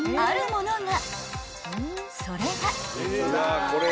［それが］